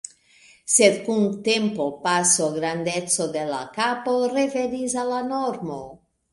Sed kun tempopaso grandeco de la kapo revenis al la normo.